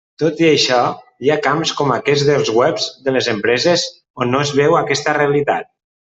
Tot i això, hi ha camps, com aquest dels webs de les empreses on no es veu aquesta realitat.